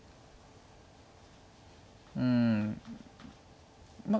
うんまあ